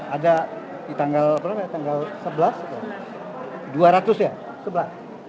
ada di tanggal sebelas dua ratus ya sebelah